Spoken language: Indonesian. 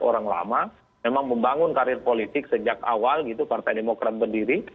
orang lama memang membangun karir politik sejak awal gitu partai demokrat berdiri